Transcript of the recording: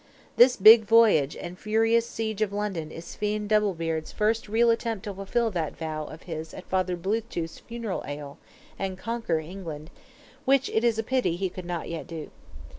This big voyage and furious siege of London is Svein Double beard's first real attempt to fulfil that vow of his at Father Blue tooth's "funeral ale," and conquer England, which it is a pity he could not yet do.